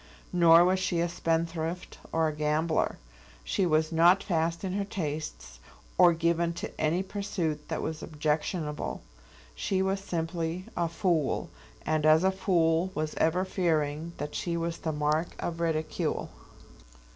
Nor was she a spendthrift, or a gambler. She was not fast in her tastes, or given to any pursuit that was objectionable. She was simply a fool, and as a fool was ever fearing that she was the mark of ridicule.